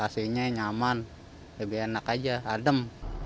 jadi jadinya nyaman lebih enak aja adem